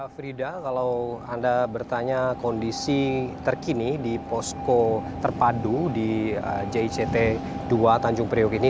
frida kalau anda bertanya kondisi terkini di posko terpadu di jict dua tanjung priuk ini